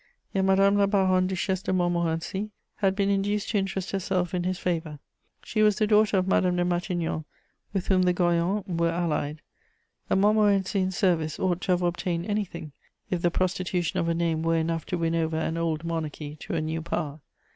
Yet Madame la Baronne Duchesse de Montmorency had been induced to interest herself in his favour: she was the daughter of Madame de Matignon, with whom the Goyons were allied. A Montmorency in service ought to have obtained anything, if the prostitution of a name were enough to win over an old monarchy to a new power.